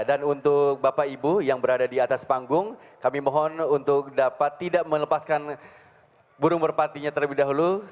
dan untuk bapak ibu yang berada di atas panggung kami mohon untuk dapat tidak melepaskan burung merpatinya terlebih dahulu